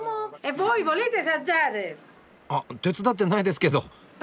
あっ手伝ってないですけど。